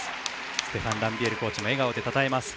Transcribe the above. ステファン・ランビエールコーチも笑顔でたたえます。